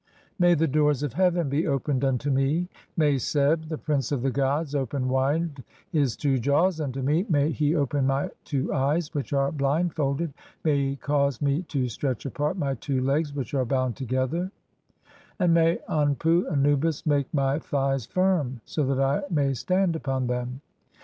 May "the doors of heaven be opened unto me (5) ; may Seb, the "Prince 1 of the gods, open wide his two jaws unto me ; may "he open my two eyes which are blindfolded ; may he cause "me to stretch apart (6) my two legs which are bound together ; "and may Anpu (Anubis) make my thighs firm so that I may "stand upon them.